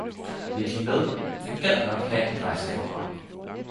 vil De med? Jeg gad nok have en rejsekammerat!